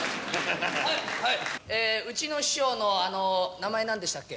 うちの師匠の名前なんでしたっけ？